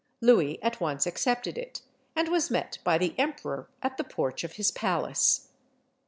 Louis at once accepted it, and was met by the emperor at the porch of his palace.